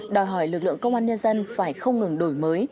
đòi hỏi lực lượng công an nhân dân phải không ngừng đổi mới